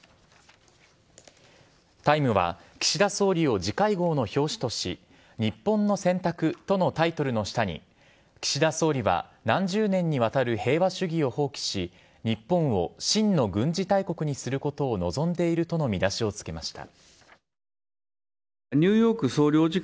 「タイム」は岸田総理を次回号の表紙とし日本の選択とのタイトルの下に岸田総理は何十年にわたる平和主義を放棄し日本を真の軍事大国にすることを望んでいるとの見出しをつけました。